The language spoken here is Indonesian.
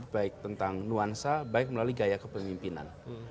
baik tentang nuansa baik melalui gaya kepemimpinan